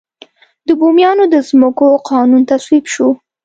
د بوميانو د ځمکو قانون تصویب شو.